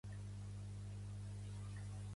Pertany al moviment independentista l'Isabel?